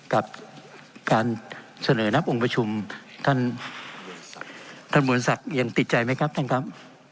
กับการเสนอนับองค์ประชุมท่านท่านบุญศักดิ์ยังติดใจไหมครับท่านครับ